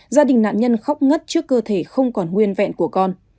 gia đình nạn nhân khóc ngất trước cơ thể không còn nguyên vẹn của con